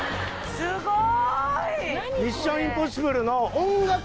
すごい！